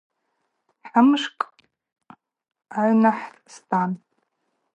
Хымшкӏы агӏвна стан.